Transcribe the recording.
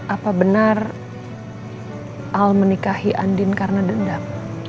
apa benar al menikahi andin karena dendam